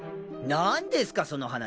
何ですかその話。